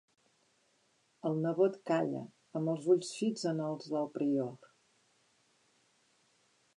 El nebot calla, amb els ulls fits en els del prior.